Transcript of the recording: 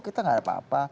kita enggak ada apa apa